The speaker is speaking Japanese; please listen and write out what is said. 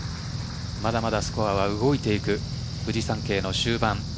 まだまだスコアは動いていくフジサンケイの終盤。